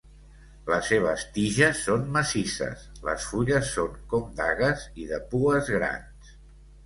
Les seves tiges són massisses, les fulles són com dagues i de pues grans.